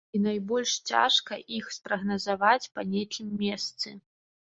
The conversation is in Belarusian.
І найбольш цяжка іх спрагназаваць па нейкім месцы.